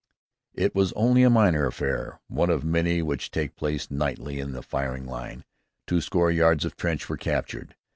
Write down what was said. It was only a minor affair, one of many which take place nightly in the firing line. Twoscore yards of trench were captured.